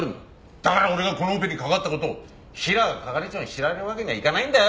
だから俺がこのオペに関わった事を平賀係長に知られるわけにはいかないんだよ！